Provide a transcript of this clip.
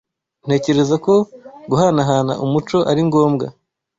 Ntekereza ko guhanahana umuco ari ngombwa.